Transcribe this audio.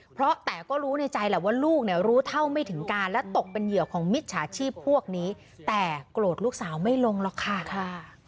เพราะแต่ก็รู้ในใจแหละว่าลูกเนี่ยรู้เท่าไม่ถึงการและตกเป็นเหยื่อของมิจฉาชีพพวกนี้แต่โกรธลูกสาวไม่ลงหรอกค่ะ